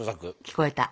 聞こえた。